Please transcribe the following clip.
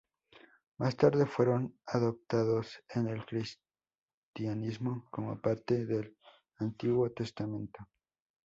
Más tarde, fueron adoptados en el cristianismo como parte del Antiguo Testamento.